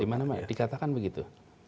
di mana mana dikatakan begitu